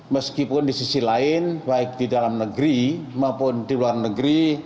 meskipun di sisi lain baik di dalam negeri maupun di luar negeri